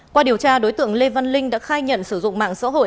qua điều tra đối tượng lê văn linh đã khai nhận sử dụng mạng xã hội